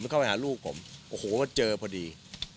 เข้าไปหาลูกผมโอ้โหเจอพอดี